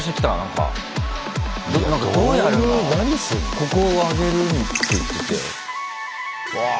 ここを上げるって言ってたよ。